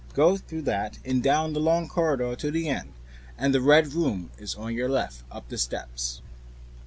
Go through that, and down the long corridor to the end, and the Red Room is on your left up the steps."